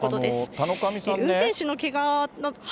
田上さんね。